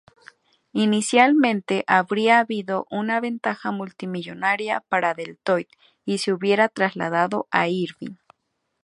Inicialmente, habría habido una ventaja multimillonaria para Deloitte si se hubiera trasladado a Irving.